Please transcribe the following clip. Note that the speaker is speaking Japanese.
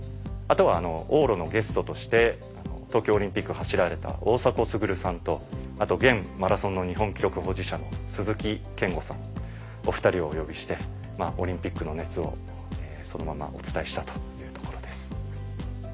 あとは往路のゲストとして東京オリンピック走られた大迫傑さんとあと現マラソンの日本記録保持者の鈴木健吾さんお２人をお呼びしてオリンピックの熱をそのままお伝えしたというところです。